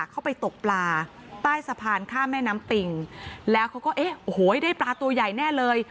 เข้าไปตกปลาใต้สะพานข้ามแม่น้ำปิงแล้วเขาก็เอ๊ะโอ้โหได้ปลาตัวใหญ่แน่เลย